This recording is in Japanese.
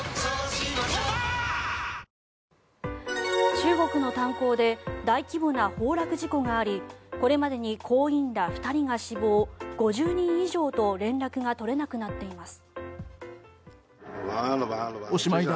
中国の炭鉱で大規模な崩落事故がありこれまでに鉱員ら２人が死亡５０人以上と連絡が取れなくなっています。